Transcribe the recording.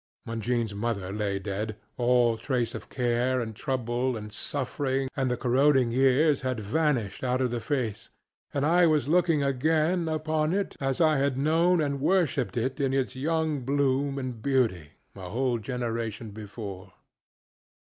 When JeanŌĆÖs mother lay dead, all trace of care, and trouble, and suffering, and the corroding years had vanished out of the face, and I was looking again upon it as I had known and worshiped it in its young bloom and beauty a whole generation before.